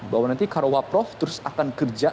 bahwa nanti karowa prof terus akan kerja